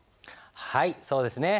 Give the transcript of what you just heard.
はいそうですね。